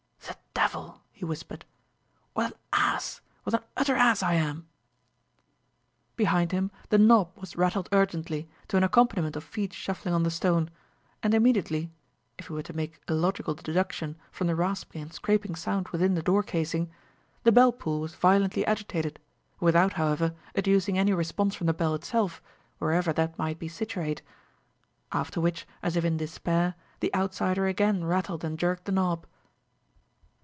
"The devil!" he whispered. "What an ass, what an utter ass I am!" Behind him the knob was rattled urgently, to an accompaniment of feet shuffling on the stone; and immediately if he were to make a logical deduction from the rasping and scraping sound within the door casing the bell pull was violently agitated, without, however, educing any response from the bell itself, wherever that might be situate. After which, as if in despair, the outsider again rattled and jerked the knob.